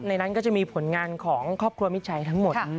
นั้นก็จะมีผลงานของครอบครัวมิดชัยทั้งหมด